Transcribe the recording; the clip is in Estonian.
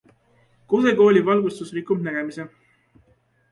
Kose kooli valgustus rikub nägemise.